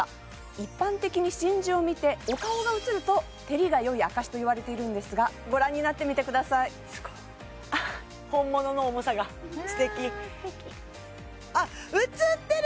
一般的に真珠を見てお顔が映ると照りが良い証しといわれているんですがご覧になってみてくださいすごいああっあっ映ってる！